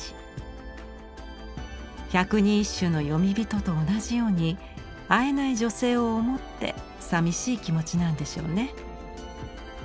「百人一首」の詠み人と同じように会えない女性を思ってさみしい気持ちなんでしょうね。